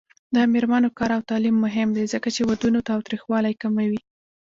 د میرمنو کار او تعلیم مهم دی ځکه چې ودونو تاوتریخوالي کموي.